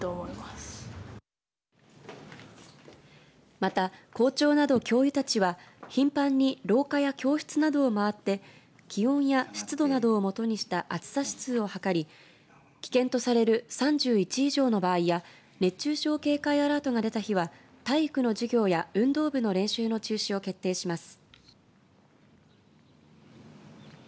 また、校長など教諭たちは頻繁に廊下や教室などを回って気温や湿度などを基にした暑さ指数を測り危険とされる３１以上の場合や熱中症警戒アラートが出た日は体育の授業や運動部の練習の中止を決定します。